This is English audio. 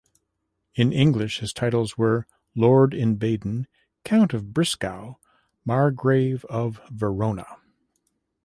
In English, his titles were: Lord in Baden, Count of Brisgau, Margrave of Verona.